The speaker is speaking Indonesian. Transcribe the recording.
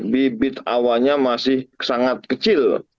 bibit awannya masih sangat kecil